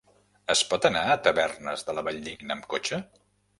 Es pot anar a Tavernes de la Valldigna amb cotxe?